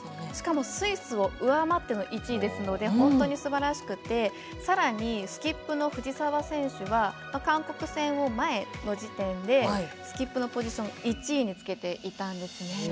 しかもスイスを上回っての１位ですので本当にすばらしくてさらに、スキップの藤澤選手は韓国戦の前の時点でスキップのポジション１位につけていたんですね。